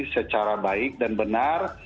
secara baik dan benar